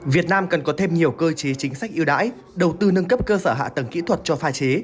việt nam cần có thêm nhiều cơ chế chính sách ưu đãi đầu tư nâng cấp cơ sở hạ tầng kỹ thuật cho pha chế